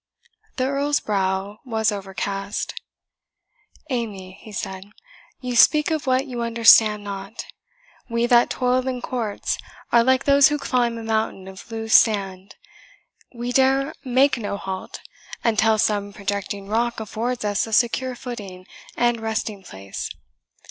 The Earl's brow was overcast. "Amy," he said, "you speak of what you understand not. We that toil in courts are like those who climb a mountain of loose sand we dare make no halt until some projecting rock affords us a secure footing and resting place.